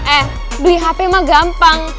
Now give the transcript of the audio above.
eh beli hape emang gampang